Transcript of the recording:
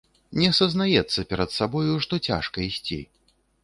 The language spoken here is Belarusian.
Не сазнаецца перад сабою, што цяжка ісці.